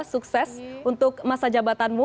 sukses untuk masa jabatanmu